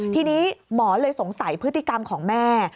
ทีนี้หมอเลยสงสัยพฤติกรรมของแม่